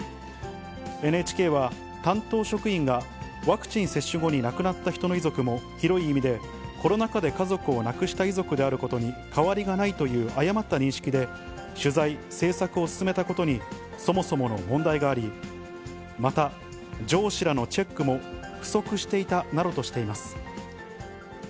ＮＨＫは、担当職員がワクチン接種後に亡くなった人の遺族も広い意味でコロナ禍で家族を亡くした遺族であることに変わりがないという誤った認識で、取材・制作を進めたことにそもそもの問題があり、また、上司らのチェックも不足していたなどとしています。